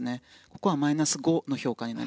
ここはマイナス５の評価。